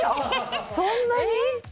そんなに？